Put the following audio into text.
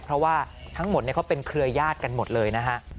เพราะว่าทั้งหมดเขาเป็นเครือญาติกันหมดเลยนะฮะ